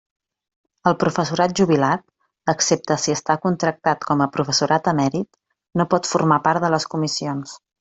El professorat jubilat, excepte si està contractat com a professorat emèrit, no pot formar part de les comissions.